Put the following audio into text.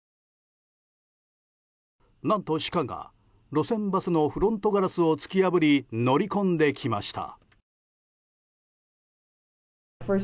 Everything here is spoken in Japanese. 何とシカが路線バスのフロントガラスを突き破り乗り込んできました。